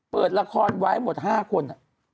เปิดละครไว้หมด๕คน